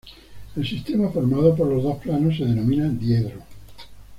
El sistema formado por los dos planos se denomina diedro.